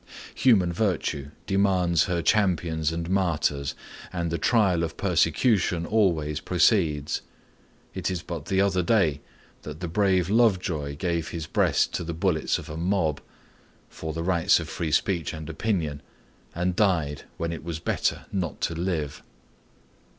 Human virtue demands her champions and martyrs, and the trial of persecution always proceeds. It is but the other day that the brave Lovejoy gave his breast to the bullets of a mob, for the rights of free speech and opinion, and died when it was better not to live.